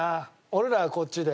俺らはこっちで。